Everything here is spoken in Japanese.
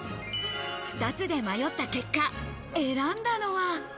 ２つで迷った結果、選んだのは。